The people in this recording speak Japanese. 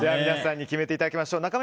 皆さんに決めていただきましょう。